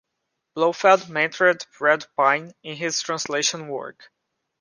Blofeld mentored Red Pine in his translation work.